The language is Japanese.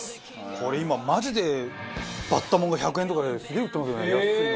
これ今マジでバッタもんが１００円とかですげえ売ってますよね安いの。